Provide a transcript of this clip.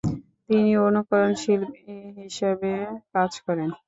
তিনি অনুকরণশিল্পী হিসেবে কাজ করেন।